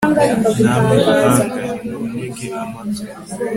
namwe bahanga, nimuntege amatwi